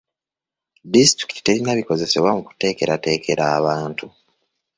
Disitulikiti terina bikozesebwa mu kuteekerateekera abantu.